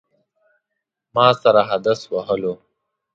ما سره حدس وهلو.